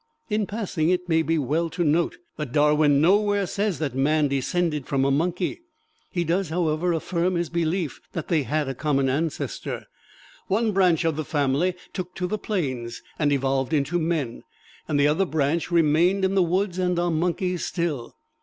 In passing, it may be well to note that Darwin nowhere says that man descended from a monkey. He does, however, affirm his belief that they had a common ancestor. One branch of the family took to the plains, and evolved into men, and the other branch remained in the woods and are monkeys still.